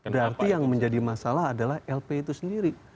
berarti yang menjadi masalah adalah lp itu sendiri